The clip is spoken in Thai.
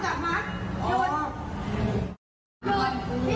เจ้าหน้าที่อยู่ตรงนี้กำลังจะปัด